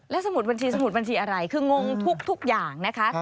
สมุดบัญชีสมุดบัญชีอะไรคืองงทุกอย่างนะคะ